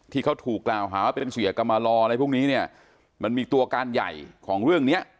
ที่เขาถูกกล่าวหาว่าเป็นเสียกรรมลออะไรพวกนี้เนี่ยมันมีตัวการใหญ่ของเรื่องเนี้ย